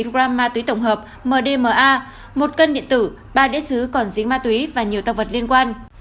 một mươi chín sáu trăm năm mươi chín gram ma túy tổng hợp mdma một cân điện tử ba đế sứ còn dính ma túy và nhiều tàu vật liên quan